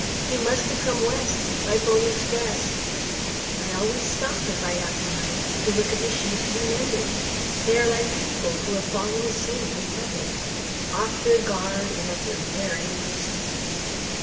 He must have come West by the "Pony Express." I always stop, if I have time, to look at shoes to be mended. They are like people who have fallen asleep in public, off their guard and at their very worst.